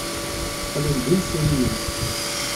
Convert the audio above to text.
Qqlen d imesriyen.